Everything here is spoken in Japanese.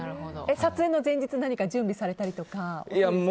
撮影の前日、何か準備されたりとかしました？